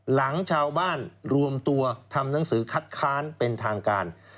หลังชาวบ้านรวมตัวทำหนังสือคัดค้านเป็นทางการ